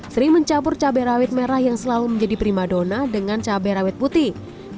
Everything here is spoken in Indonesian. sri mencampur cabai rawit merah yang selalu menjadi prima dona dengan cabai rawit putih